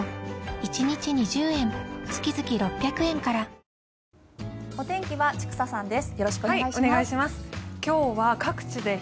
お天気は千種さんです。